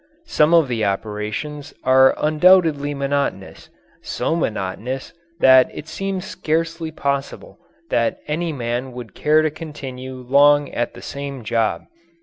Some of the operations are undoubtedly monotonous so monotonous that it seems scarcely possible that any man would care to continue long at the same job.